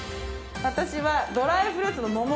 私はドライフルーツの桃。